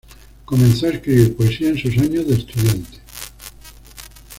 Comenzó a escribir poesía en sus años de estudiante.